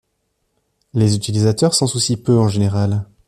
Les utilisateurs s'en soucient peu en général.